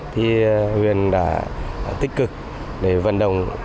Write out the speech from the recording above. thì huyện đã tích cực để vận động